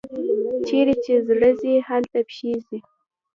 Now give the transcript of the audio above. چیري چي زړه ځي، هلته پښې ځي.